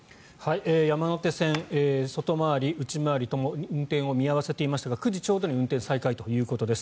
山手線外回り、内回りともに運転を見合わせていましたが９時ちょうどに運転再開ということです。